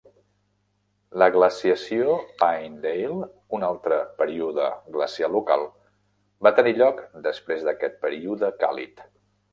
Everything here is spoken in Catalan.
La glaciació Pinedale, un altre període glacial local, va tenir lloc després d'aquest període càlid.